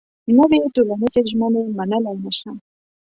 نوې ټولنيزې ژمنې منلای نه شم.